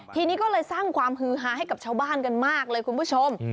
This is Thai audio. ทีนี้ก็เลยสร้างความฮือฮาให้กับชาวบ้านกันมากเลยคุณผู้ชม